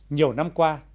nhiều năm qua